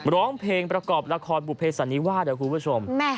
ร้องเพลงประกอบละครบุภิสันนี้ว่าเดี๋ยวคุณผู้ชม